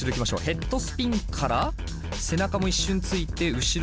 ヘッドスピンから背中も一瞬ついて後ろに。